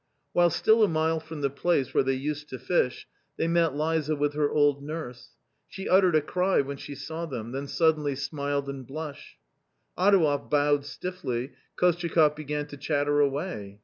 While still a mile from the place where they used to fish, they met Liza with her old nurse. She uttered a cry when she saw them, then suddenly smiled and blushed. Adouev bowed stiffly, Kostyakoff began to chatter away.